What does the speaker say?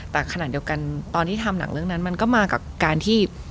แต่ขณะเดียวกันตอนที่ทำหนังเรื่องนั้นมันก็มากับการที่